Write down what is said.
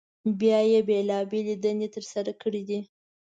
بیا یې بېلابېلې دندې تر سره کړي دي.